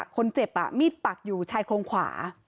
คนเจ็บมีดปักอยู่ชายโครงขวา